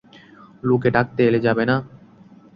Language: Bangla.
লোকে ডাকতে এলে যাবে না?